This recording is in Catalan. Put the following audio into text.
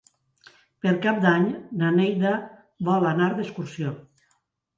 Per Cap d'Any na Neida vol anar d'excursió.